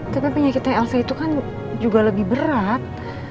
tapi penyakitnya alse itu kan juga lebih berat